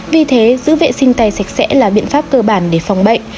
vì thế giữ vệ sinh tay sạch sẽ là biện pháp cơ bản để phòng bệnh